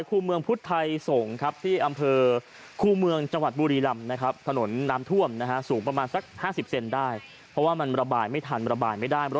คือรถเก่งอันนี้เขาเข้าไปต่อไม่ได้